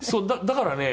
だからね